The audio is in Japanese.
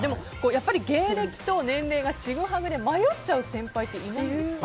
やっぱり芸歴と年齢がちぐはぐで迷っちゃう先輩っていないですか。